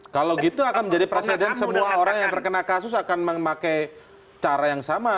kalau gitu akan menjadi presiden semua orang yang terkena kasus akan memakai cara yang sama